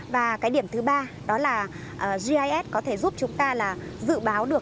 và cái điểm thứ ba đó là gis có thể giúp chúng ta là dự báo được